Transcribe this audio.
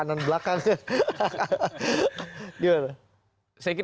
bilang berikut ca leslie ini